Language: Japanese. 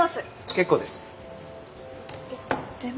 結構です。えでも。